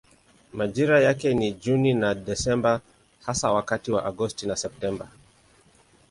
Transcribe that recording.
Majira yake ni Juni na Desemba hasa wakati wa Agosti na Septemba.